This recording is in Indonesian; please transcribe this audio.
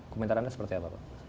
komentarnya seperti apa pak